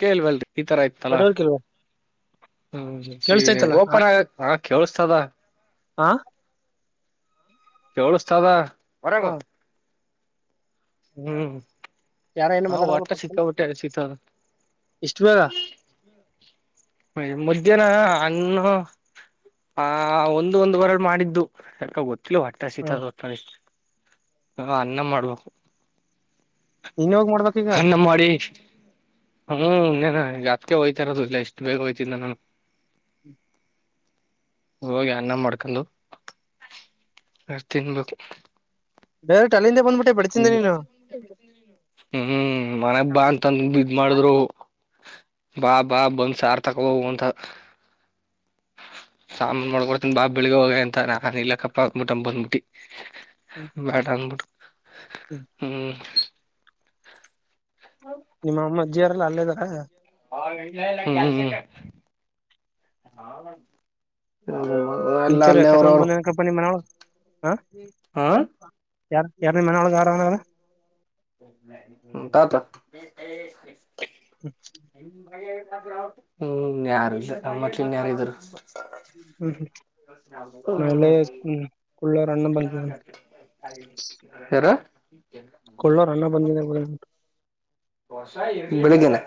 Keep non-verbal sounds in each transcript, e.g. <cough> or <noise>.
ಕೇಳ್ವಲ್ರಿ. ಈತರ ಇತ್ತಲ್ಲ ನೆಟ್ವರ್ಕ್ ಇಲ್ವಾ ಹ್ಮ ಕೇಳಿಸ್ತೈತಲ್ಲ ಆ- ಓಪನ್ ಆಗ ಹ ಕೇಳ್ಸ್ತದ. ಆ ಕೇಳುಸ್ತದಾ ಹೊರಗೂ ಹ್ಮ್ ಯಾರ ಏನು ಹಾ ಮಾತಾಡ್ತವ್ರಲ್ಲ ಒಟ್ಟ ಪಕ್ಕದಲ್ಲಿ ಸಿಕ್ಕಾಬಿಟ್ಟೆ ಸಿಗ್ತದ ಇಷ್ಟ್ ಬೇಗ. ಹೇ ಮಧ್ಯಾಹ್ನ ಹಣ್ಣು ಆ ಒಂದು ಒಂದುವರೆಲಿ ಮಾಡಿದ್ದು ಯಾಕ ಗೊತ್ ಒಟ್ರಾಸಿ ಹಾ <unintelligible> ಹಾ ಅನ್ನ ಮಾಡ್ಬೇಕು. ಇನ್ ಹೋಗ ಮಾಡ್ಬೇಕ್ ಈಗ? ಅನ್ನ ಮಾಡಿ ಹ್ಮ್ ಇನ್ನೇನು ಅದಿಕ್ಕೆ ಹೋಯ್ತಾ ಇರೋದು, ಇಲ್ಲ ಇಷ್ಟು ಬೇಗ ಹೋಯ್ತಿದ್ದ ನಾನು ಹೋಗಿ ಅನ್ನ ಮಾಡ್ಕೊಂಡು ಅಷ್ ತಿನ್ಬೇಕು. ಡೈರೆಕ್ಟ್ ಅಲ್ಲಿಂದ ಬಂದ್ಬಿಟ್ಟೆ ಬಿಡ್ತಿಂದೆ ನೀನು ಹ್ಮ್ ಮನೆ ಬಾ ಅಂತಂದ ಇದ್ ಮಾಡಿದ್ರು ಬಾ ಬಾ ಬಂದ್ ಸಾರ್ ತಕೋ ಹೋಗು ಅಂತ ಸಾಂಬರ್ ಮಾಡ್ಕೊಡ್ತನ್ ಬಾ ಬೆಳಿಗ್ಗೆ ಹೋಗೆ ಅಂತ ನಾ ಇಲ್ಲಕ್ಕಪ್ಪ ಅಂದುಬಿಟ್ಟನ್ ಬಂದ್ಬಿಟ್ಟಿ. ಹ್ಮ್. ಬೇಡ ಅನ್ಬಿಟ್ <inaudible> ಹ್ಮ್ <unintelligible> ನಿಮ್ಮ ಅಮ್ಮ ಅಜ್ಜಿಯರೆಲ್ಲ ಅಲ್ಲೇ ಇದಾರ. ಹೂ ಹೂ ಹ್ ಹ್ಮ್ ಎಲ್ಲ ಇಂತರ್ ಅಲ್ಲೇ ಅವ್ರವ್ರು <unintelligible> ನಿಮ್ಮ ಮಾವ. ಹ ಯಾರ್ ಯಾರು ನಿಮ್ಮ ಮನೆ ಒಳಗೆ ಅವ್ರರಲ. ಹ್ಮ್ ತಾತ <unintelligible> ಹ್ಮ್ ಹ್ಮ್ ಯಾರು ಇಲ್ಲ ಅ ಮತ್ತ್ ಇನ್ಯಾರು ಇದ್ರು. ಹ್ಮ್ ನಾ ಇಲ್ಲೇ ಹ್ಮ ಹ್ಮ್ ಕೊಳ್ಳೋರ್ ಅಣ್ಣ ಬಂದಿದ್ದಾನೆ ಯಾರ? <unintelligible> ಕೊಳ್ಳೋರ್ ಅಣ್ಣ ಬಂದಿದಾನ್ <unintelligible> ಬೆಳಗ್ಗೆನೇ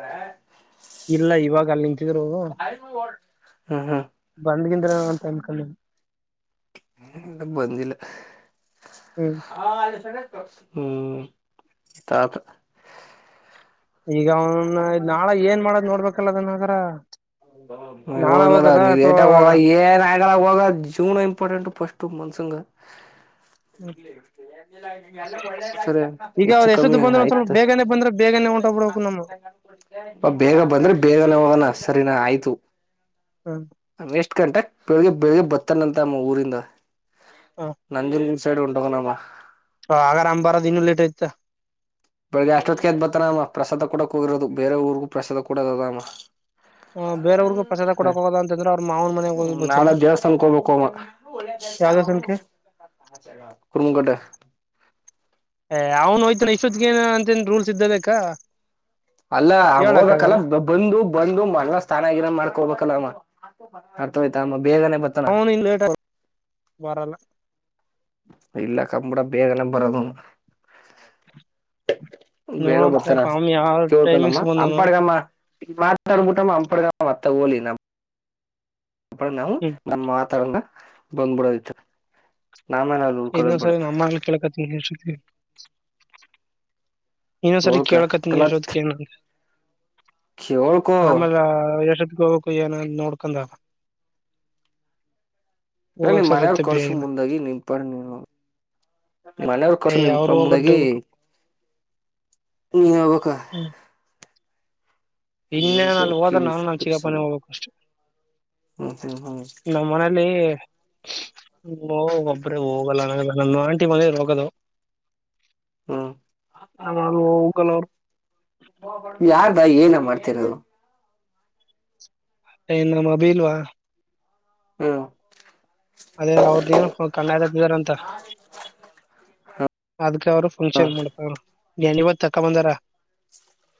ಇಲ್ಲ ಇವಾಗ ಅಲ್ಲಿ ನಿಂತ್ ದ್ರು ಹ್ಮ್ ಬಂದ್ಗಿಂದ್ರ ಅಂತ ಅನ್ಕೊಂಡೆ ಬಂದಿಲ್ಲ ಹ್ಮ್ ಹಾ ಅಲ್ಲಿ <unintelligible> ಹ್ಮ್ ತಾತ ಈಗ ಅವ, ನಾಳೆ ಏನ್ ಮಾಡೋದ್ ನೋಡ್ಬೇಕ <unintelligible> <unintelligible> ಏನ್ ಅಥವಾ ಹ ಜೀವನ ಇಂಪಾರ್ಟೆಂಟ್ ಫಸ್ಟ್ ಮನ್ಸಂಗ. ಸರಿ ಈಗ ಹೆಚ್ಚು ಅವ್ರ ಕಮ್ಮಿ ಎಷ್ಟೊತ್ತು ಬಂದ್ರೆ ಒಂದ್ ಸ್ವಲ್ಪ ಆಯ್ತು ಬೇಗನೆ ಬಂದ್ರೆ ಬೇಗನೆ ಹೊಂಟೋಗ್ಬಿಡ್ಬೇಕು ನಮ್ಮ ಬೇಗ ಬಂದ್ರೆ ಬೇಗಾನೆ ಹೋಗನ ಆಯ್ತು ಹ್ಮ್ ಎಷ್ಟು ಗಂಟೆ? ಬೆಳಗ್ಗೆ ಬೆಳಿಗ್ ಬರ್ತಾನಂತಮ್ಮ ಊರಿಂದ ನಂದ ಒಂಟೋಗನ ಅವ ಹ, ಹಾಗರ ಅವ್ನ್ ಬಾರದಿನ್ನ ಲೇಟ್ ಐತ. ಬೆಳಗ್ಗೆ ಅಷ್ಟೊತ್ತ ಎದ್ ಬರ್ತಾನ ಅವನು. ಪ್ರಸಾದ ಕೂಡಕ್ ಹೋಗಿರೋದು ಬೇರೆ ಊರ್ಗೂ ಪ್ರಸಾದ ಕೂಡಕ ಹೊಗಾನ್ ಅವ ಬೇರೆಯವ್ರಿಗೂ ಪ್ರಸಾದ ಕೊಡಕ್ ಹೋಗೋದ ಅಂತಂದ್ರೆ ಅವ್ರ ಮಾವನ್ ಮನೆಗ್ ಹೋಗಿ ಬರ್ತಾನ ನಾಳೆ ದೇವಸ್ಥಾನಕ್ಕೆ ಹೋಗಬೇಕು ಅವ, ಯಾವ್ದೋ ಸಂಖ್ಯೆ ಕುರ್ಮಗಡ್ಡೆ. ಏ.. ಅವ್ನ್ ಹೊಯ್ತಾನ ಇಷ್ಟೊತ್ತಿಗೆ ಏನಂತೆ ರೂಲ್ಸ್ ಇದ್ದಬೇಕಾ? ಅಲ್ಲ ಹೇಳಕ್ ಹೋಗ್ಬೇಕಲ್ಲ ಆಗಲ್ಲ ಬಂದು, ಬಂದು ಮನ್ಯಾಗ ಸ್ನಾನ ಆಗಿರ ಮಾಡ್ಕೋಬೇಕ <unintelligible> ಅರ್ಥ ಆಯ್ತಾ ಅವನು ಇನ್ನ ಲೇಟ.. ಬರಲ್ಲ ಇಲ್ಲ ಕಣ್ ಬಿಡ. ಬೇಗನೆ ಬರದು ಅವ್ನು. ಬೇಗ ಬರ್ತಾರ? ನೋಡಂತಪ್ಪ ಅವನ್ ಯಾವ ಕೇಳ್ಕಂದಮ್ಮ ಟೈಮಿಂಗ್ಸ್ ಬಂದನು <unintelligible> ಮಾತಾಡ್ಬಿಟ್ಟ <unintelligible> ನಮ್ಮಲ್ಲಿ ಅ ನಾವು ಹ್ಮ್ ನಮ್ಮ ವಾತಾವರಣ ಬಂದ್ಬಿಡ್ಬೋಡಿತ್ತು ಇನ್ನೊಂದ ಸರಿ ನಮ್ಮ ಮಗಳನ್ನ ಕೇಳ್ಕತ್ತೀನಿ. <unintelligible> ಇನ್ನೊಂದ್ ಸರಿ ಹೇಳ್ಕ ಕೇಳ್ಕತ್ತೀನಿ ಯಶೋದ್ಕೆನಾ ಅಂದೇ ಕೇಳ್ಕೊ ಆಮೇಲೆ ಆ ಯಶೋ ಕೇಳ್ಕೊ ಏನಂದ ನೋಡ್ಕೊಂಡ ಏ.. ಹೋಗಕ್ ನಿನ್ ಸರಿ ಮನೆಯವ್ರ ಇರ್ತ ಕಳ್ಸ ಬೇಗನೆ ಮುಂದಾಗಿ, ನಿನ್ ಪಾಡಿಗ್ ನೀನೋಗು. ಮನೆಯವ್ರ ಏ ಕಳ್ಸ ಅವ್ರು ನಿನ್ಕ ಹೋಗೋದ್ ಮುಂದಾಗಿ ಡೌಟ್ ನೀ ಹೊಬೇಕ ಹ್ಮ್ ಇನ್ನೇನ್ ಅಲ್ ಹೋದ್ರೆ ಕಿವಿ ನಾನು ನನ್ ಚಕಪ್ಪನೆ ಹೋಗ್ಬೇಕು ಅಷ್ಟೆ. ಹ್ಮ್ ಹ್ಮ್ ಹ್ಮ್ ನಮ್ಮ ಮನೇಲಿ ಹ್ಮ್ ಒಬ್ರೆ ಹೋಗಲ್ಲ ನಾವೆಲ್ಲ. ನಮ್ಮ ಆಂಟಿ ಮನೆ ರೋಗದು ಹ್ಮ್ <unintelligible> ನೋ ಕಲರ್ ಯಾರ್ದ ಏನ ಮಾಡ್ತಿರೋರು? ಅ ನಮ್ ಅಬಿಲ್ವಾ ಹ್ಮ್ ಅದೇ ಅವ್ರ್ ದೇನು <unintelligible> ಹತಿದಾರ ಅಂತ. ಅದ್ ಅವ್ರು ಹ್ಮ್ ಫಂಕ್ಷನ್ ಮಾಡ್ತರ. ಜನಿವತ್ ತಕ್ಕ ಬಂದಾರ.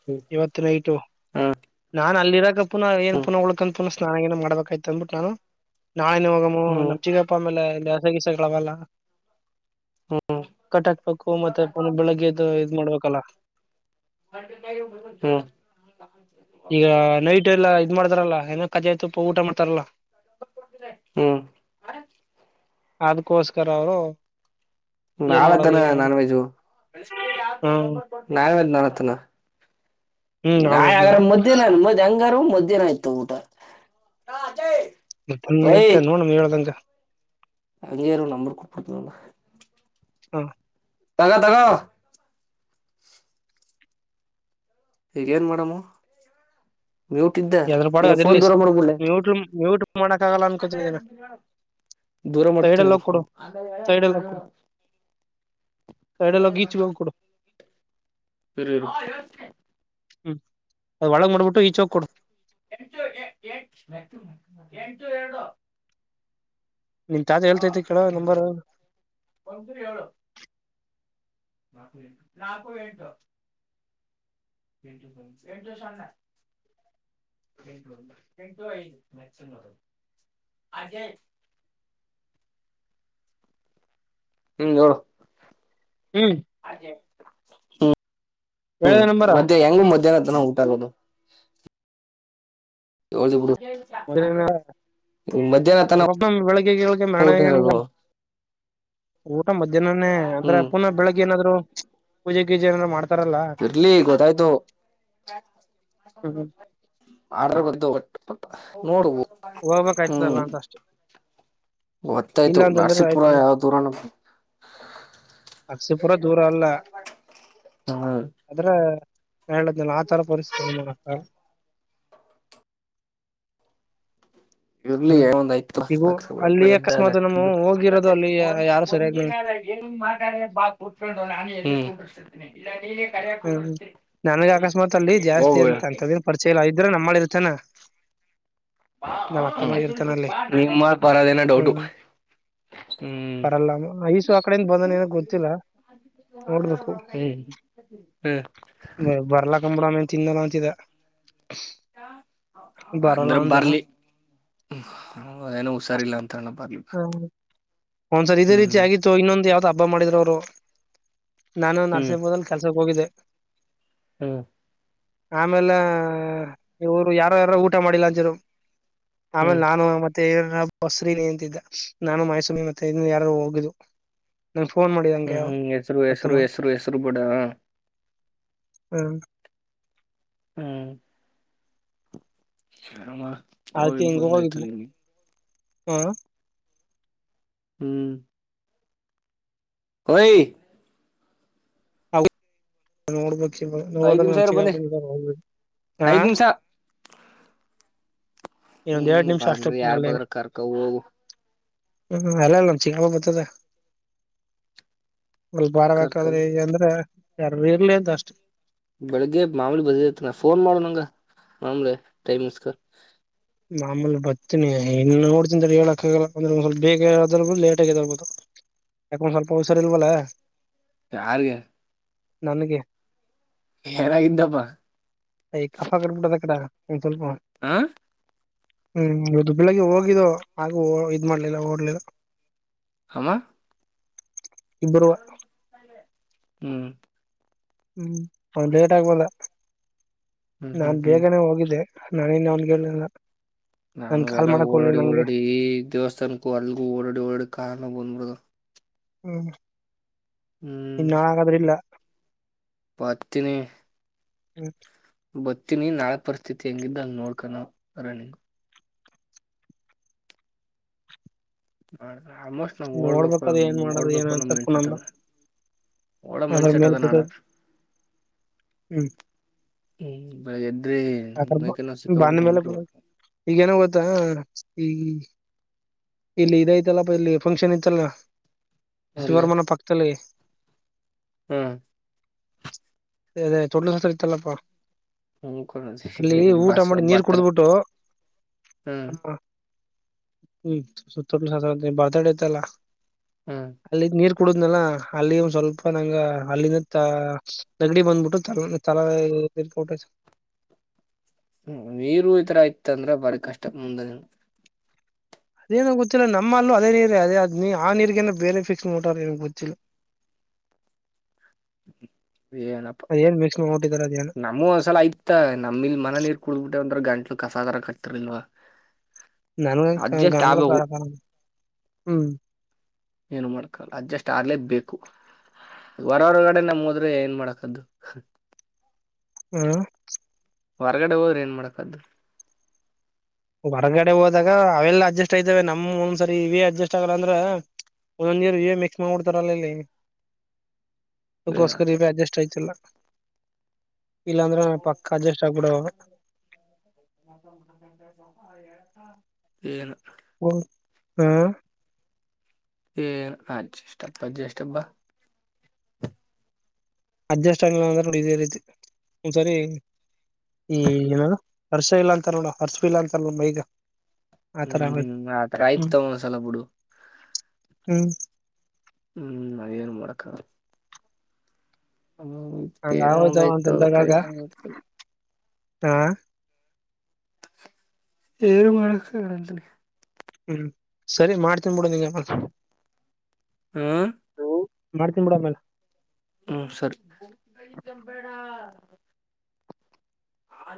ಹ್ಮ್ ಇವತ್ ನೈಟು ಹ್ಮ್ ನಾ ಅಲ್ಲಿರಾಕ ಪುನ್ ಪುನ ಹ್ಮ್ ಏನು ಉಳ್ಕಂತ್ ಅನ್ಸ್ ಸ್ನಾನ ಗಿನ ಮಾಡ್ಬೇಕಾಯ್ತು ಅಂದಬಿಟ್ಟು ನಾನು ನಾಳೆನೇ ಹೋಗಮು ಹ್ಮ್ ನಮ್ ಚಿಗಪ್ಪ ಆಮೇಲೆ <unintelligible> ಹ್ಮ್ ಕಟ್ಟಾಕ್ ಬೇಕು ಮತ್ತೆ ಪುನ ಬೆಳಿಗ್ಗೆದು ಇದ್ ಮಾಡ್ಬೇಕಲ್ಲ ಹ್ಮ್ <unintelligible> ಅಜ ತುಪ್ಪ ಊಟ ಮಾಡ್ತಾರಲ್ಲ ಹ್ಮ್ ಅದಕೋಸ್ಕರ ಅವರು ಏನ್ ನಾಳತನ ಮಾಡೋದು ನಾನ್ ವೆಜ್ಜು ಹ್ಮ ನಾನ್ ವೆಜ್ ನಾಳೆ ತನ ಹ್ಮ್ ನಾಳೆ ಆಳ್ವೈದ್ನ ಹಾಗರ ಮದ್ಯಾನ <unintelligible> ಹಂಗಾರು ಮಧ್ಯಾಹ್ನ ಆಯ್ತು ಊಟ ಹಾ ಅಜಯ್ ಮದೊಮ್ಮೆ ಐತೆ ನೋಡಮ ಹೇಳ್ದಂಗ ಅ ಏರು ನಂಬರ್ ಕೊಟ್ಬಿಡ್ತಿನಲ್ಲ ಹ್ಮ್ ತಗ ತಗೋ ಈಗೇನ್ ಮಾಡಮು ಯು ತಿದ್ದೆ ಎದ್ರ ಪಾಡ ಈಗ ಫೋನ್ ಅದಿರ್ಲಿ ದೂರ ಮಾಡ್ಬುಡ್ಲೆ ಮ್ಯೂಟ್ ಮ್ಯೂಟ್ ಮಾಡಕ್ ಆಗಲ್ಲ ಅನ್ಕೋತೀನಿ ಇದನ್ನ ದೂರ ಸೈಡಲ್ಲಿ ಮಾಡ್ತಿನಿರ್ ಹೋಗ್ ಕೊಡು ಫೋನ್ ಸೈಡಲ್ಲಿ ಹೋಗ್ ಕೊಡು ಸೈಡಲ್ಲಿ ಹೋಗಿ ಈಚೆಗ್ ಹೋಗ್ ಕೊಡು ಇರು ಇರು ಹ್ಮ್ ಅದ್ ಒಳಗ್ ಮಾಡ್ಬಿಟ್ಟು ಈಚೋಗ್ ಕೊಡು. <unintelligible> ನಿನ್ ತಾತ ಹೇಳ್ತೈತಿ ಕೇಳ ನಂಬರು. ನಾಕು ಎಂಟು ು ಸು ಮ ಅ <unintelligible> ಹ್ಮ್ ನೋ ಹ್ಮ್ ಹ ಹ್ಮ ಹೇಳ್ದೆ ನಂಬರ ಮತ್ತೆ ಯಂಗ್ ಮಧ್ಯಾಹ್ನ ತನ ಊಂಟಾರದು ಯಳ ಬಿಡಿ <unintelligible> ಮಧ್ಯಾಹ್ನ ತನ ಬೆಳಗ್ಗೆ ಊಟ್ ಹೋಗೊದು ಹ ಮಧ್ಯಾಹನೇ ಆ ಪುನಃ ಬೆಳಗ್ ಏನಾದ್ರು ಪೂಜೆ ಗೀಜ ಏನಲ್ಲ ಮಾಡ್ತಾರೆ ಇರ್ಲಿ ಗೊತ್ತಾಯ್ತು ಹ್ಮ್ ಮಾಡ ಗೊತ್ತು ಒಟ್ಟ ನೋಡುವುದು ಹೋಗ್ಬೇಕ ಆಯ್ತದಲ್ಲ ಅಂತ ಅಷ್ಟೇ ಗೊತ್ತಾಯ್ತು ಇಲ್ಲಾ ಅಂತಂದ್ರೆ ನರಸೀಪುರ ಆಯ್ತು ಯಾವ ದೂರನ ಅರಸಿಪುರ ದೂರ ಅಲ್ಲ ಹ ಅದ್ರೆ ಹೇಳಿದೇನ <unintelligible> <unintelligible> ಇರ್ಲಿ ಹ್ಮ್ ಒಂದ್ ಐ ಈಗೂ ಅಲ್ಲಿ ಎದ ಅಕಸ್ಮಾತ್ ನಮ್ಮ ಏ <inaudible> ಹೋಗಿರೋದು ಅಲ್ಲಿ ಯಾರು ಸರಿಯಾಗಿ ನ <unintelligible> ಾನ ಇಲ್ಲ ನೀ ಹ್ಮ್ ನನಗ್ ಅಕಸ್ಮಾತ್ ಅಲ್ಲಿ ಜಾಸ್ತಿ ಹೋಗುವ ಅಂತ ಅಂತನ್ ಪರಿಚಯ ಆಯ್ತು ಇದ್ರ ನಮ್ಮ ಮಾಡಳಿರ್ತೇನಾ ನಿಮ್ಮ ಪರದೇನ ಡೌಟು ಹ್ಮ್ ಹ್ಮ್ ಬರಲ್ಲ ಐಸು ಆ ಕಡೆಯಿಂದ ಬಂದನ ಏನ ಗೊತ್ತಿಲ್ಲ ಹ್ಮ್ ಹ್ಮ್ ಬರ್ಲ ಕಂಬಲಾನ ತಿನ್ನಲ್ಲ ಅಂತಿದೆ ಅಂದ್ರೆ ಅಂದ ಬರ್ಲಿ ಅದಏನ ಹುಷಾರಿಲ್ಲ ಅಂತಾರಣ ಬರ್ಲಿ ಒಂದ್ರ್ ಇದೇ ರೀತಿ ಹ್ಮ್ ಆಗಿತ್ತು ಇನ್ನೊಂದು ಯಾವ್ದ್ ಹಬ್ಬ ಮಾಡಿದ್ರರು ಅವರು ನಾನು ಹ್ಮ್ ನರ್ಸಿಬೋದಲ್ ಕೆಲ್ಸಕ್ಕೆ ಹೋಗಿದ್ದೆ <inaudible> ಹ್ಮ್ ಆಮೇಲೆ ಇವರು ಯಾರ ಯಾರ ಊಟ ಮಾಡಿಲ್ಲ ಅಂಜರು ಆಮೇಲೆ ಹ್ಮ್ ನಾನು ಮತ್ತೆ ತೇವ್ರ ಬಸ್ರನ ಎಂತಿದ್ದ ನಾನು ಮೈಸೂಮಿ ಮತ್ತೆ ಇನ್ನು ಯಾರು ಹೋಗಿದು ಹ್ಮ್ ಹ್ಮ್ ಹೆಸರು ಹೆಸರು ಹೆಸರು ಹೆಸರು ಬೂಡ ಹ್ಮ್ ಹ್ಮ್ ಅವ್ರಿಗ್ ಬಂದಾಯ್ತು <unintelligible> ಹಾ ಹ್ಮ್ ಒಯಿ ಹೌ ನೋಡ್ಬ ಐದ್ ಹೋದ್ರೆ ನಿಮಿಷ ನಮ್ ಇರು ಬಂದೆ ಚಿಕಪ್ಪ ಜೊತೆನೆ ಹೋಗ್ಬೇಕು ಹ ಐದ್ ನಿಮಿಷ ಹ್ಮ್ ಬಂದ್ರಿ ಅಷ್ಟೊತ್ತಿನ ಯಾರ್ ಅಲ್ಲೇನ ಬದ್ರ ಕರ್ಕ ಹೋಗು. ಹ್ಮ್ ಅಲ್ಲ ನಮ್ ಚಿಕ್ಕಪ್ಪ ಬತ್ತದ. ಒಲ್ ಕರ್ಕ ಬಾರಬಕಾದ್ರಿ ಅಂದ್ರ ಕರ್ ಇರ್ಲಿ ಅಂತ ಅಷ್ಟೇ. ಬೆಳಿಗ್ಗೆ ಮಾಮೂಲಿ ಬದೈತ್ ನ ಫೋನ್ ಮಾಡೋ ನಂಗ ಮಾಮುಲಿ ಟೈಮಿಂಗ್ಸ್ ಗ. ಮಾಮಲ್ ಬರ್ತೀನಿ ಇನ್ನು ನೋಡ್ತಿನ್ ತಡಿ ಹೇಳಕಾಗಲ್ಲ ಅಂದ್ರೆ ಒಂದ್ ಸ್ವಲ್ಪ ಬೇಗ ಏಳೋದ್ರು ಬದ್ಲ್ ಲೇಟ್ ಆಗ್ ಎದ್ದೇಳ್ಬೋದು ಯಾಕ ಒಂದ್ ಸ್ವಲ್ಪ ಹುಷಾರ್ ಇಲ್ವಲ್ಲ. ಯಾರಿಗೆ? ನನಿಗೆ ಏನಾಗಿದ್ದಪ್ಪಾ ಕಫಾ ಕಟ್ಬಿಟ್ಟದೆ ಕದ ಇನ್ ಸ್ವಲ್ಪ ಹ ಹ್ಮ್ ಇದು ಬೆಳಗ್ ಹೋಗಿದ್ದೋ ಹಾಗು ಇದ್ ಮಾಡ್ಲಿಲ್ಲ ಓಡ್ಲಿಲ್ಲ. ಹಮ ಇಬ್ಬರು ಹ್ಮ್ ಹ್ಮ್ ಆವ್ನ್ ಲೇಟ್ ಆಗಿ ಬಲ್ಲ ಹ್ಮ್ ಹ್ಮ್ ನಾನ್ ಹ್ಮ್ ಬೇಗನೆ ಹೋಗಿದ್ದೆ. ನವಿನ್ ಅವ್ನ್ಗೇನಿಲ್ಲ. ನಾನು ಎಲ್ಲ ಓಡಾಡಿ ಓಡಾಡಿ ಈ ದೇವಸ್ಥಾನಕ್ಕೂ ಅಲ್ಗು ಓಡಾಡಿ ಓಡಾಡಿ ಕಲ್ನೋವ್ ಬಂದ್ಬಿಡ್ದ. ಹ್ಮ್ ಇನ್ನು ಹಾಗಾದ್ರಿಲ್ಲ. ಬರ್ತೀನಿ ಹ್ಮ ಬತೀನಿ ನಾಳೆ ಪರಿಸ್ಥಿತಿ ಹೆಂಗಿದ್ದ ಹಂಗ್ ನೋಡ್ಕೊಂಡ್ ನಾವ್ ರನ್ನಿಂಗ್ ಹಾ ಅಣ ಆಲ್ಮೋಸ್ಟ್ ನಾವ್ ಓಡ್ಬೇಕು ನೋಡ್ಬೇಕದ ಏನ್ ಮಾಡೋದು ಏನ ಓಡ್ಬೇಕು ಅನ್ ಅಂತ ಮೈಂಡ್ಸೆಟ್ ಪುನಂದು ಅದ ಓಡ ಅದ್ರ ಮೈಂಡ್ಸೆಟ್ ಮೇಲೆ ಅದ ನಾಳೆ. ಕೂತದ ಹ್ಮ್ ಬೆಳಗ್ಗೆ ಎದ್ದ್ ಅ ಬ ಬಂದ ಮೇಲೆ <unintelligible> ಈಗೇನು ಗೊ ಆ ಈ ಇಲ್ಲಿ ಇದೈತಲ್ಲ ಇಲ್ಲಿ ಫಂಕ್ಷನ್ ಇತ್ತಲ್ಲ ಎಲ್ಲಿ ಶಿವರ್ ಮನೆ ಪಕ್ದಲ್ಲಿ ಹ್ಮ್ ದೆ ಅದೆ ತೊಟ್ಲು ಶಾಸ್ತ್ರ ಇತಲ್ಲಪ್ಪ ಹ್ಮ ಅಲ್ಲಿ ಊಟ ಮಾಡಿ ನೀರ್ ಕುಡುದ್ಬಿಟ್ಟು ಹ್ಮ್ <unintelligible> ಹ್ಮ್ ಸುತ್ತ <unintelligible> ಹ್ಮ್ ಅಲ್ಲಿದ್ ನೀರ್ ಕುಡುದ್ನಲ್ಲ ಅಲ್ಲಿ ಒಂದ ಸ್ವಲ್ಪ ನಂಗ ಅಲ್ಲಿಂದ ತ ನೆಗಡಿ ಬಂದ್ಬಿಟ್ಟು ತಲ್ ತಲ ಇರ್ <unintelligible> ಹ್ಮ ನೀರು ಈತರ ಇತ್ ಅಂದ್ರ ಬಾರಿ ಕಷ್ಟ ಮುಂದ ಅದೇನೋ ಗೊತ್ತಿಲ್ಲ ನಮ್ಮ ಅಲ್ಲೂ ಅದೇ ನೀರೆ ಅದೇ ಅದ್ ನೀ ಆ ನೀರ್ಗನ ಬೇರೆ ಫಿಕ್ಸ್ ಮಾಡ್ಬಿಟ್ಟಾರ ಏನೋ ಗೊತ್ತಿಲ್ಲ. ಏನ್ ಮಿಕ್ಸ್ನು. ನಮ್ಮಗು ಒಂದ್ಸಲ ಆಯ್ತ ನಮ್ಮಿಲ್ ಮನೆ ನೀರ್ ಕುಡ್ಬಿಟ್ಟೆ ಒಂದ್ತರ ಗಂಟ್ ದು ಕಸ ಅದ್ರ ಕಟ್ ತಿರ್ಲಿಲ್ವಾ. ನನ್ಗ ಅಡ್ಜಸ್ಟ್ ಗಂಡ್ಲು ಆಗ್ಬೇಕು ಕಾರ ಹ್ಮ್ ಏನು ಮಾಡ್ಕಲ್ಲ ಅಡ್ಜಸ್ಟ್ ಆಗ್ಲೇ ಬೇಕ್ ಹೊರ ಹೊರಗಡೆ ನಮ್ ಹೋದ್ರೆ ಏನ್ ಮಾಡಕದ್ದು. ಹ್ಮ್ ಹೊರ್ಗಡೆ ಹೋದ್ರೆ ಏನ್ ಮಾಡಕದ್ದು. ಹೊರಗಡೆ ಹೋದಾಗ ಅವೆಲ್ಲ ಅಡ್ಜಸ್ಟ್ ಆಯ್ತವೆ ನಮ್ ಒಂದ್ಸರಿ ಇವೆ ಅಡ್ಜಸ್ಟ್ ಆಗಲ್ಲ ಅಂದ್ರ ಒಂದೊಂದ್ ನೀರು ಇವೆ ಮಿಕ್ಸ್ ಮಾಡ್ಬಿಡ್ತಾರಲ್ಲ ಇಲ್ಲಿ. ಅದುಕ್ಕೋಸ್ಕರ ಏನಪ್ಪ ಇವೆ ಅಡ್ಜಸ್ಟ್ ಆಯ್ತಿಲ್ಲ. ಇಲ್ಲಾಂದ್ರೆ ನ ಪಕ್ಕ ಅಡ್ಜಸ್ಟ್ ಆಗ್ಬಿಡವ. ಏನ. ಓ ಹ್ಮ. ಏನ್ ಅಜೆಸ್ಟ್ ಪಜೇಷ್ಠ ಬ. ಅಡ್ಜಸ್ಟ್ ಆಗ್ಲಿಲ್ಲ ಅಂದ್ರೆ ನೋಡ್ ಇದೇ ರೀತಿ ಒಂದ್ಸರಿ. ಈ ಏನದು ಹರ್ಷ್ ಸ್ಟ ಇಲ್ಲ ಅಂತರ್ ನೋಡು ಹರ್ಷ್ ಫೀಲ್ ಅಂತಾರ ನೋಡ್ ಮೈಗ. ಆತರ ಹ್ಮ್ ಆಗೋಯ್ತು ಹ್ಮ್ ಆತರ ಹ್ಮ್ ಆಯ್ತು ಒಂದ್ ಒಂದ್ಸಲ ಬಿಡು. ಹ್ಮ್ ಹ್ಮ್ ಅದೇನು ಮಾಡಕ್ಗಲ್ಲ. ಹ್ಮ ಹಂಗ ಏನೋ ಒಂದ್ ಆಗೋಯ್ತವ ಆಯ್ತು ಅಂತಂದಾಗಾಗ ಹೋಗತ್ತಗೆ. ಹಾ ಏರು ಮಾಡಕ್ಗಳ ಅಂತಿನಿ. ಹ್ಮ್ ಸರಿ ಮಾಡ್ತೀನ್ ಬಿಡು ನಿಂಗೆ ಒಂದ್ಸತಿ. ಹ್ಮ ಮಾಡ್ತೀನ್ ಬಿಡು ಆಮೇಲೆ. ಹ್ಮ್ ಸರಿ. <unintelligible>